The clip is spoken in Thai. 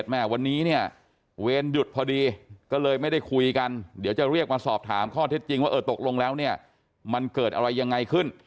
ไม่ได้คุยกันเดี๋ยวจะเรียกมาสอบถามข้อเท็จจริงว่าเออตกลงแล้วเนี่ยมันเกิดอะไรยังไงขึ้น